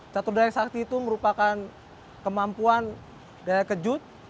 catur daya sakti itu merupakan kemampuan daya kejut